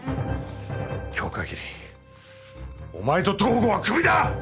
今日限りお前と東郷はクビだ！